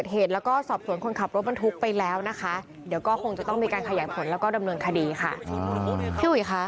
หลบคนหลบไปมันเรื่อยเลยครับ